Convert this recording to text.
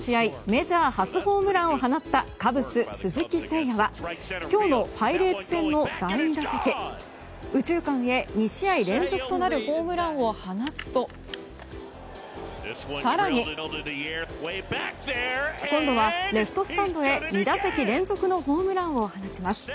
メジャー初ホームランを放ったカブス、鈴木誠也は今日のパイレーツ戦の第２打席右中間へ２試合連続となるホームランを放つと更に、今度はレフトスタンドへ２打席連続のホームランを放ちます。